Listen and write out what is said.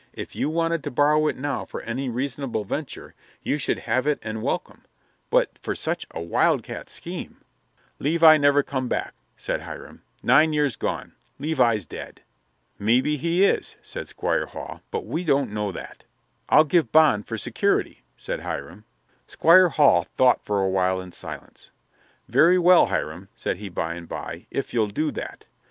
If you wanted to borrow it now for any reasonable venture, you should have it and welcome, but for such a wildcat scheme " "Levi never come back," said Hiram "nine years gone Levi's dead." "Mebby he is," said Squire Hall, "but we don't know that." "I'll give bond for security," said Hiram. Squire Hall thought for a while in silence. "Very well, Hiram," said he by and by, "if you'll do that.